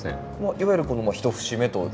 いわゆる１節目